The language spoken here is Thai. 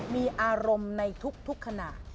มีอารมณ์ในทุกขณะ